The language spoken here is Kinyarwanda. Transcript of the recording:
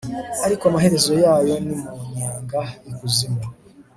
ariko amaherezo yayo ni mu nyenga y'ikuzimu